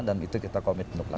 dan itu kita commit untuk lakukan